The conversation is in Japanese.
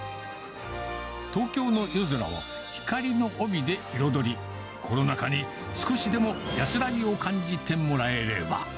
東京の夜空を光の帯で彩り、コロナ禍に少しでも安らぎを感じてもらえれば。